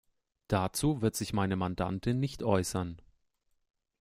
Dazu wird sich meine Mandantin nicht äußern.